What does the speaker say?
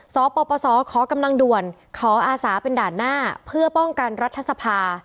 สปสขอกำลังด่วนขออาศาเป็นด่านหน้าเพื่อป้องกันรัฐสภา